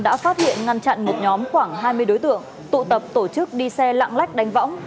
đã phát hiện ngăn chặn một nhóm khoảng hai mươi đối tượng tụ tập tổ chức đi xe lạng lách đánh võng